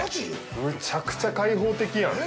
むちゃくちゃ開放的やん。